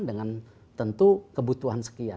dengan tentu kebutuhan sekian